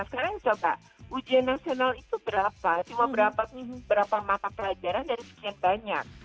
sekarang coba ujian nasional itu berapa cuma berapa mata pelajaran dari sekian banyak